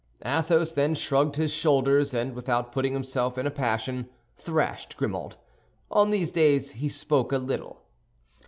Athos then shrugged his shoulders, and, without putting himself in a passion, thrashed Grimaud. On these days he spoke a little.